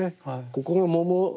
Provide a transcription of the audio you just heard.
ここの桃。